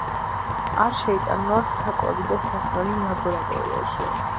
არ შეიტანო საკვები და სასმელი ლაბორატორიაში